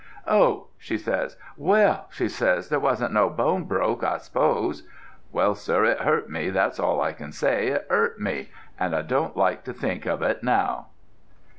'Oh,' she says: 'Well,' she says, 'there wasn't no bones broke, I suppose.' Well, sir, it 'urt me, that's all I can say: it 'urt me, and I don't like to think of it now."